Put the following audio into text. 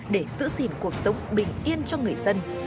để giữ gìn cuộc sống bình yên cho người dân